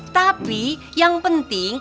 tapi yang penting